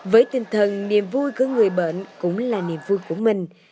với tinh thần niềm vui của người bệnh cũng là niềm vui của mình